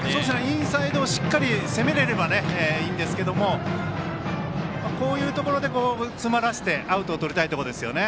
インサイドをしっかり攻めれればいいんですけどもこういうところで詰まらせてアウトをとりたいところですよね。